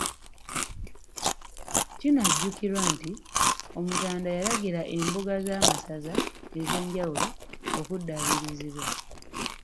Kinajjukirwa nti Omutanda yalagira embuga z'amasaza ez'enjawulo okuddabirizibwa.